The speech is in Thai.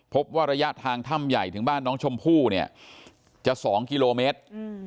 พบว่าระยะทางถ้ำใหญ่ถึงบ้านน้องชมพู่เนี่ยจะ๒กิโลเมตร